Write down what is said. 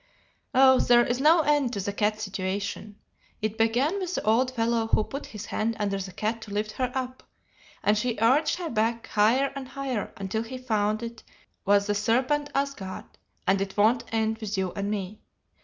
"Oh, there is no end to the cat situation. It began with the old fellow who put his hand under the cat to lift her up, and she arched her back higher and higher until he found it was the serpent Asgard, and it won't end with you and me.